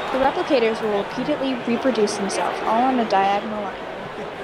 The replicators will repeatedly reproduce themselves, all on a diagonal line.